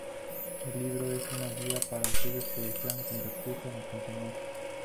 El libro es una guía para aquellos que deseen convertirse en acompañantes.